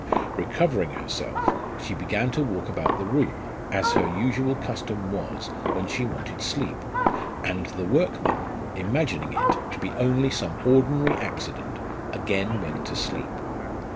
Recovering herself, she began to walk about the room, as her usual custom was when she wanted sleep ; and the workman imagining it to be only some ordinary accident, again went to sleep.